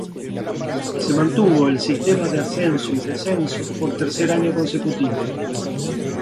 Se mantuvo el sistema de ascenso y descenso por tercer año consecutivo.